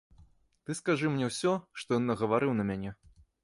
Ты скажы мне ўсё, што ён нагаварыў на мяне.